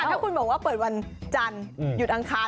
ถ้าคุณบอกว่าเปิดวันจันทร์หยุดอังคาร